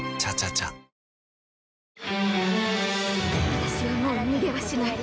私はもう逃げはしない。